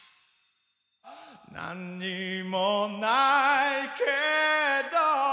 「何もないけど」